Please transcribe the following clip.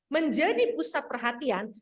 menjadi pusat perhatian